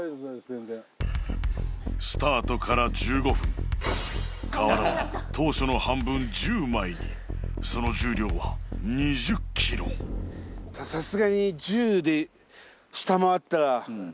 全然スタートから１５分瓦は当初の半分１０枚にその重量は２０ｋｇいきます